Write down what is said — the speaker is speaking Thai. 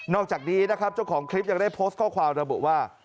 อกจากนี้นะครับเจ้าของคลิปยังได้โพสต์ข้อความระบุว่า